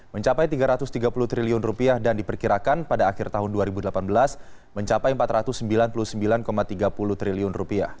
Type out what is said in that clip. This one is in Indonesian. mencapai rp tiga ratus tiga puluh triliun dan diperkirakan pada akhir tahun dua ribu delapan belas mencapai rp empat ratus sembilan puluh sembilan tiga puluh triliun